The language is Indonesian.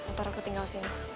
ntar aku tinggal sini